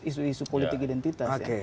isu isu politik identitas ya